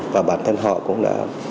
và bản thân họ cũng đã